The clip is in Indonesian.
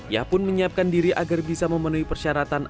ia pun menyiapkan diri agar bisa memenuhi persyaratan